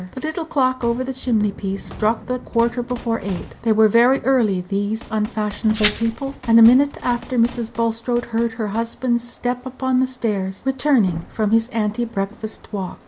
The little clock over the chimney piece struck the quarter before eight; they were very early, these unfashionable people; and a minute afterward Mrs. Bulstrode heard her husband's step upon the stairs, returning from his ante breakfast walk.